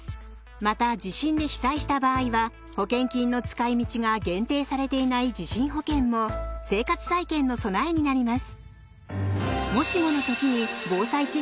また地震で被災した場合は保険金の使い道が限定されていない地震保険も生活再建の備えになります。